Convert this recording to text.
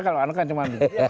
kalau anaknya cuma